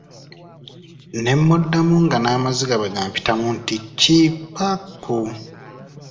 Ne mmuddamu nga n'amaziga bwe gampitamu nti, Ki-pa-ku.